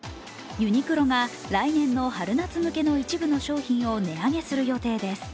ユニクロが来年の春夏向けの一部の商品を値上げする予定です。